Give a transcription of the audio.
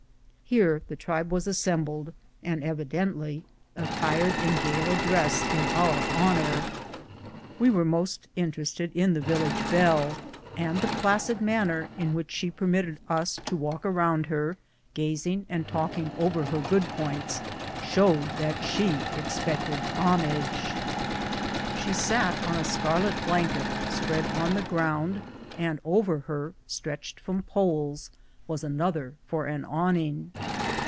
Here the tribe were assembled, and evidently attired in gala dress in our honor. We were most interested in the village belle, and the placid manner in which she permitted us to walk around her, gazing and talking her good points over, showed that she expected homage. 63 BOOTS AND SADDLES. She sat on a scarlet blanket spread on the ground, and over her, stretched from poles, was another for an awn ing.